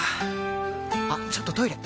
あっちょっとトイレ！